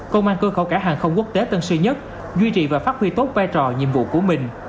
công an cơ khẩu cả hàng không quốc tế tân sư nhất duy trì và phát huy tốt vai trò nhiệm vụ của mình